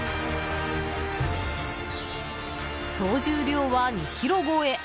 総重量は２ｋｇ超え！